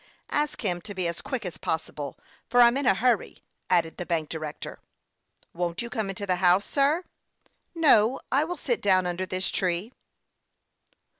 " Ask him to be as quick as possible, for I'm in a hurry," added the bank director. " Won't you come into the house, sir ?"" No, I will sit down under this tree."